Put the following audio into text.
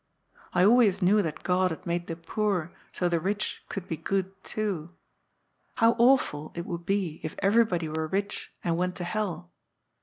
I always knew that God had made the poor so the rich could be good too. How awful it would be if everybody were rich and went to hell.